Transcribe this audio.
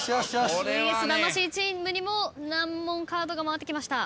ＶＳ魂チームにも難問カードが回ってきました。